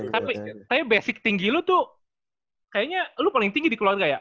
tapi basic tinggi lo tuh kayaknya lo paling tinggi di keluarga ya